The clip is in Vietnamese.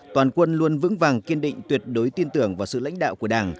toàn quân luôn vững vàng kiên định tuyệt đối tin tưởng vào sự lãnh đạo của đảng